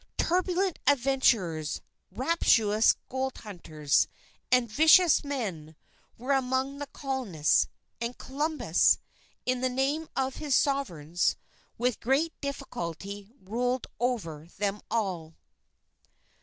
Turbulent adventurers, rapacious gold hunters, and vicious men, were among the colonists. And Columbus, in the name of his Sovereigns, with great difficulty ruled over them all.